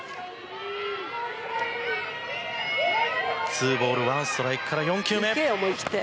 ツーボールワンストライクから４球目。